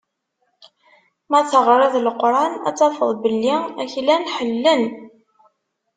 Ma teɣriḍ Leqran, ad tafeḍ belli aklan ḥellelen.